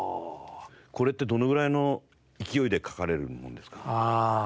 これってどのぐらいの勢いで描かれるものですか？